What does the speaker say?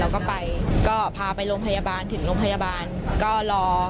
แล้วก็ไปก็พาไปโรงพยาบาลถึงโรงพยาบาลก็รอ